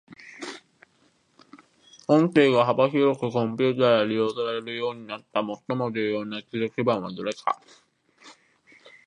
音声が幅広くコンピュータで利用されるようになった最も重要な技術基盤はどれか。